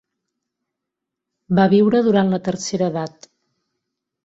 Va viure durant la tercera edat.